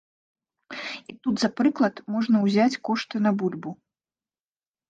І тут за прыклад можна ўзяць кошты на бульбу.